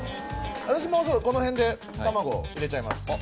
私まずはこの辺で卵入れちゃいます